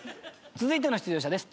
続いての出場者です。